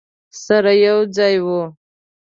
سره یو ځای وو.